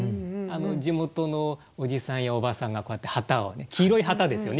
地元のおじさんやおばさんがこうやって旗をね黄色い旗ですよね。